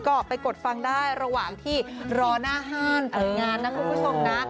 ก็ไปกดฟังได้ระหว่างที่รอหน้าห้านเปิดงานนะคุณผู้ชมนะ